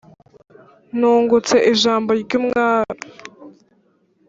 Nungutse ijambo ry' Umwami